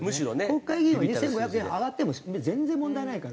国会議員は２５００円上がっても全然問題ないから。